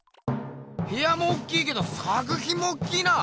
へやもおっきいけど作ひんもおっきいな。